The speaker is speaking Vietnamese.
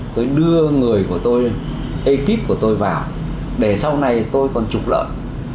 tôi đưa người của tôi ekip của tôi vào để sau này tôi còn trục lợi